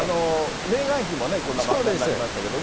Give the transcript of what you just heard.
メーガン妃もね、こんな漫画になりましたけどね。